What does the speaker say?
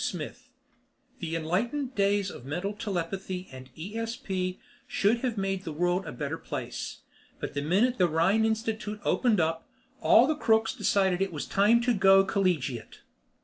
SMITH ILLUSTRATED BY SMITH The enlightened days of mental telepathy and ESP should have made the world a better place, But the minute the Rhine Institute opened up, all the crooks decided it was time to go collegiate!